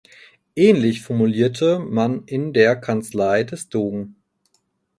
Ähnlich formulierte man in der Kanzlei des Dogen.